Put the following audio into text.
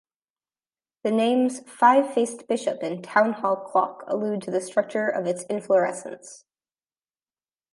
The names "five-faced bishop" and "townhall clock" allude to the structure of its inflorescence.